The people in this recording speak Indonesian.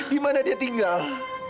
di mana dia tinggal